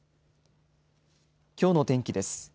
きょうの天気です。